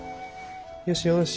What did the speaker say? よしよし。